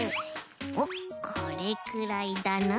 おっこれくらいだな。